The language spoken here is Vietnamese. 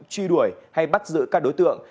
truy đuổi hay bắt giữ các đối tượng